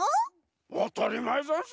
あたりまえざんす。